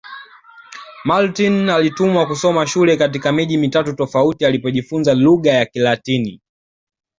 Martin alitumwa kusoma shule katika miji mitatu tofauti alipojifunza lugha ya Kilatini